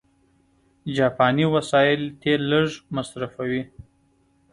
جاپاني وسایل تېل لږ مصرفوي.